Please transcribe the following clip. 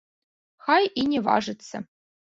Хай і не важыцца!